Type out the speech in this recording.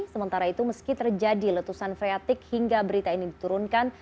sementara itu meski terjadi letusan freatik hingga berita ini diturunkan